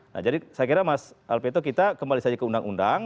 nah jadi saya kira mas alpito kita kembali saja ke undang undang